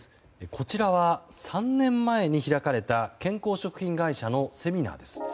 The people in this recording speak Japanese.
こちらは３年前に開かれた健康食品会社のセミナーです。